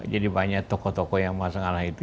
jadi banyak tokoh tokoh yang masang alang itu